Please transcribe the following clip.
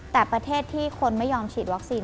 แต่ประเทศที่คนไม่ยอมฉีดวัคซีน